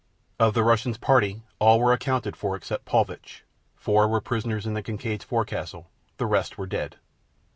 Of the Russian's party, all were accounted for except Paulvitch. Four were prisoners in the Kincaid's forecastle. The rest were dead.